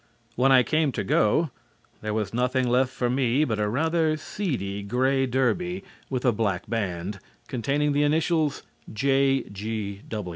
When I came to go, there was nothing left for me but a rather seedy gray derby with a black band, containing the initials "J.